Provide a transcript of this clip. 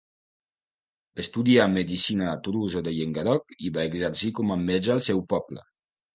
Estudià medicina a Tolosa de Llenguadoc i va exercir com a metge al seu poble.